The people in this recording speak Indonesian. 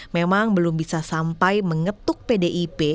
memang belum bisa sampai mengetuk pdip